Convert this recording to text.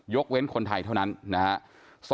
เว้นคนไทยเท่านั้นนะครับ